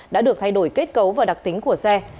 đã được thay đổi kết cấu và đặc tính của xe